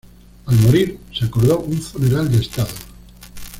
Al morir, se acordó un funeral de Estado.